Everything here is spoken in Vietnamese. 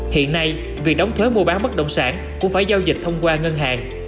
hiện nay việc đóng thuế mua bán bất động sản cũng phải giao dịch thông qua ngân hàng